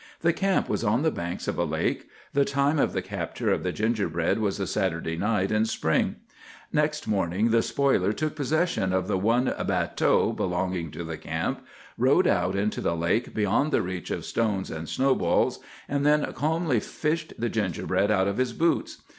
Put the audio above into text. The camp was on the banks of a lake. The time of the capture of the gingerbread was a Saturday night in spring. Next morning the spoiler took possession of the one 'bateau' belonging to the camp, rowed out into the lake beyond the reach of stones and snowballs, and then calmly fished the gingerbread out of his boots.